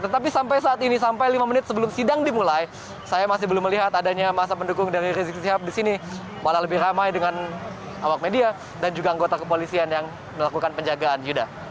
tetapi sampai saat ini sampai lima menit sebelum sidang dimulai saya masih belum melihat adanya masa pendukung dari rizik sihab disini malah lebih ramai dengan awak media dan juga anggota kepolisian yang melakukan penjagaan yuda